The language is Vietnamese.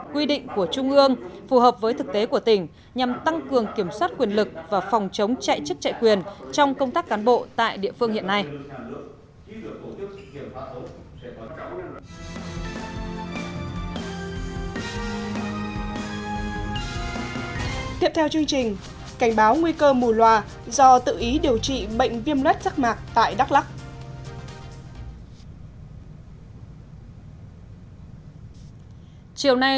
quy định của trung ương phù hợp với thực tế của tỉnh nhằm tăng cường kiểm soát quyền lực và phòng chống chạy chức chạy quyền trong công tác cán bộ tại địa phương hiện nay